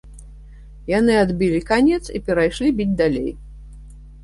Яны адбілі канец і перайшлі біць далей.